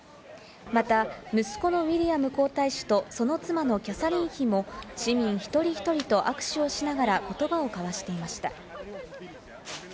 また息子のウィリアム皇太子とその妻のキャサリン妃も市民一人一人と握手をしながら言葉を交わしていました。